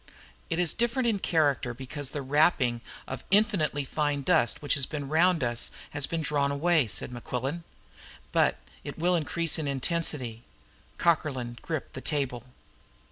"It is different in character because the wrapping of infinitely fine dust which has been round us has been drawn away," said Mequillen. "But it will increase in intensity." Cockerlyne gripped the table.